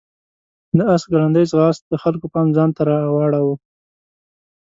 د آس ګړندی ځغاست د خلکو پام ځان ته راواړاوه.